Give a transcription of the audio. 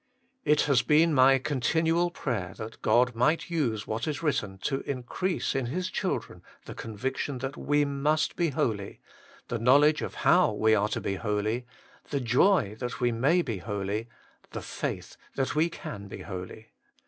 It has been my continual prayer that God might use what is written to increase in His children the conviction that we must be holy, the knowledge of how we are to be holy, the joy that we may be holy, the faith that ve can be holy.